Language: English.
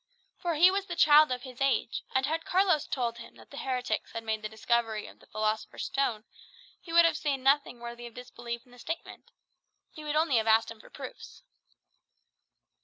For he was the child of his age; and had Carlos told him that the heretics had made the discovery of the philosopher's stone, he would have seen nothing worthy of disbelief in the statement; he would only have asked him for proofs.